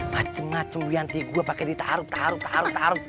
macem macem lianti gue pake ditaruh taruh taruh